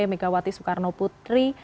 megawati soekarno putri